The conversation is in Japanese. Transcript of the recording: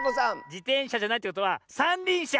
じてんしゃじゃないということはさんりんしゃ！